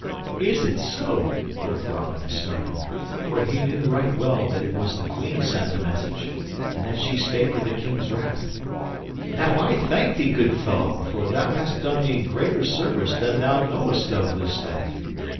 '" "Is it so?" quoth Robin, starting; for he knew right well that it was the Queen sent the message, and that she spake of the King's wrath. "Now, I thank thee, good fellow, for thou hast done me greater service than thou knowest of this day."